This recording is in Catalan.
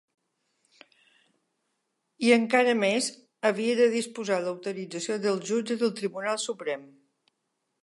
I encara més: havia de disposar d’autorització del jutge del Tribunal Suprem.